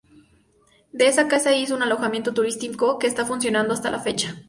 De esta casa hizo un alojamiento turístico que está funcionando hasta la fecha.